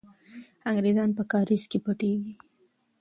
انګریزان په کارېز کې پټېږي.